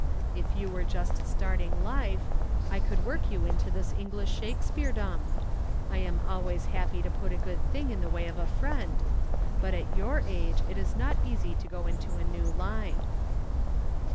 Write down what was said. If you were just starting life, I could work you into this English Shakespeardom I am always happy to put a good thing in the way of a friend but at your age it is not easy to go into a new line."